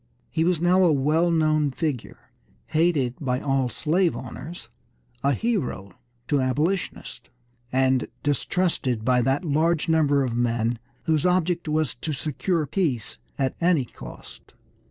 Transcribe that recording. He was now a well known figure, hated by all slave owners, a hero to Abolitionists, and distrusted by that large number of men whose object was to secure peace at any cost.